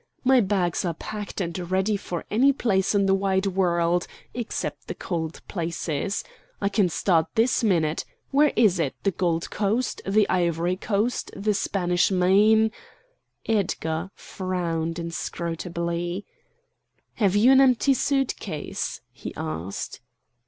"My bags are packed and ready for any place in the wide world, except the cold places. I can start this minute. Where is it, the Gold Coast, the Ivory Coast, the Spanish Main——" Edgar frowned inscrutably. "Have you an empty suit case?" he asked.